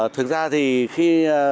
thực ra thì khi